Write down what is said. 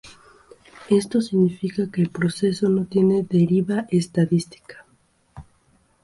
Esto significa que el proceso no tiene deriva estadística.